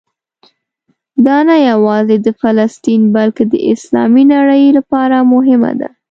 دا نه یوازې د فلسطین بلکې د اسلامي نړۍ لپاره مهمه ده.